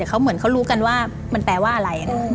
เราก็รู้กันว่ามันแปลว่าอะไร